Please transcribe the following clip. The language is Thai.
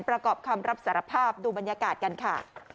ประกอบคำรับสารภาพดูบรรยากาศกันค่ะ